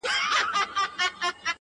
• ځه چي دواړه د پاچا کورته روان سو -